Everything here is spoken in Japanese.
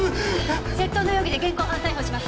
窃盗の容疑で現行犯逮捕します。